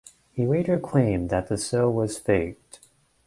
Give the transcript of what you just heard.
He later claimed that the show was faked.